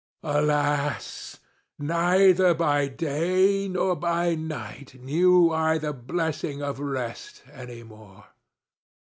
Alas! neither by day nor by night knew I the blessing of rest any more!